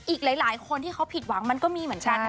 อีกหลายคนที่เขาผิดหวังมันก็มีเหมือนกันนะ